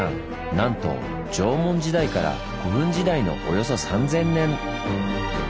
なんと縄文時代から古墳時代のおよそ３，０００年！